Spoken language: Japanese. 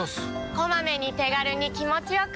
こまめに手軽に気持ちよく。